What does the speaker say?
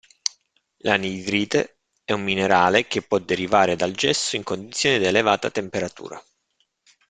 L'anidrite è un minerale che può derivare dal gesso in condizione di elevata temperatura.